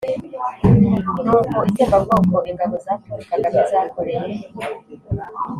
n'uko itsembabwoko ingabo za Paul Kagame zakoreye